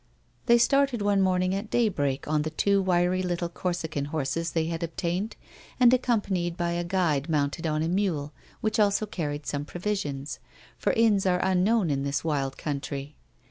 They started one morning at daybreak on the two wiry little Corsican horses they had obtained, and accompanied by a guide mounted on a mule which also carried some provisions, for inns ai'e unknown in this wild country.